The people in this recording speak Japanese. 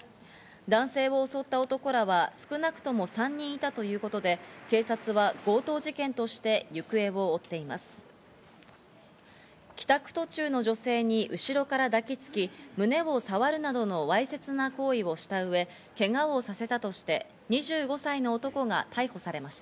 男性を襲った男らは少なくとも３人いたということで、警察は強盗事件として行方を追っています。